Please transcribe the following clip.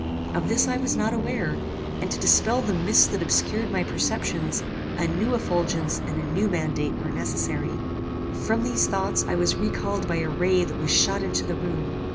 Of this I was not aware, and to dispel the mist that obscured my perceptions, a new effulgence and a new mandate were necessary. "From these thoughts I was recalled by a ray that was shot into the room.